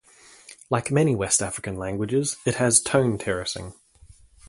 Like many West African languages, it has tone terracing.